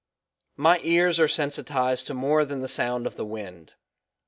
My ears are sensitized to more than the sound of the wind.